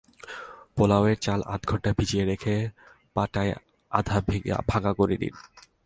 পোলাওয়ের চাল আধা ঘণ্টা ভিজিয়ে রেখে পাটায় আধা ভাঙা করে নিন।